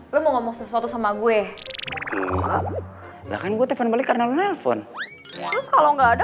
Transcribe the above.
lu mau ngomong sesuatu sama gue enggak kan gua telfon balik karena lo nelfon kalau nggak ada